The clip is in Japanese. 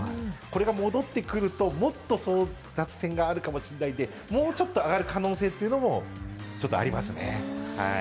これが戻ってくるともっと争奪戦があるかもしれないので、もうちょっと上がる可能性もありますね。